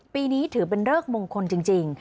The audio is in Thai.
ปีนี้ถือเป็นเริกมงคลจริง